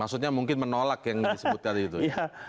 maksudnya mungkin menolak yang disebut tadi itu ya